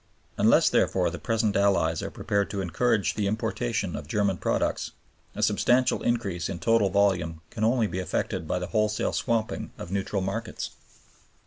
Unless, therefore, the present Allies are prepared to encourage the importation of German products, a substantial increase in total volume can only be effected by the wholesale swamping of neutral markets.